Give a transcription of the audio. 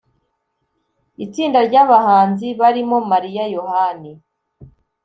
itsinda ry’abahanzi barimo Mariya Yohani